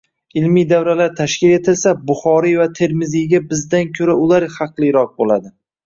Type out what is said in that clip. ilmiy davralar tashkil etsa, Buxoriy va Termiziyga bizdan ko‘ra ular haqliroq bo‘ladi.